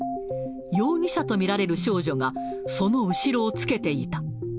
容疑者と見られる少女が、その後ろをつけていた。